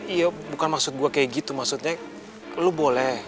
iya bukan maksud gue kayak gitu maksudnya lo boleh